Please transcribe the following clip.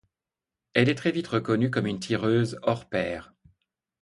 Elle est très vite reconnue comme une tireuse hors pair.